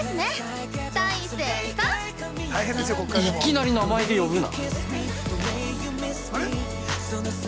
◆い、いきなり名前で呼ぶな。